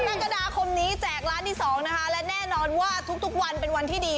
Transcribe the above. กันตั้งกระดาษคมนี้แจกร้านที่สองนะคะและแน่นอนว่าทุกทุกวันเป็นวันที่ดี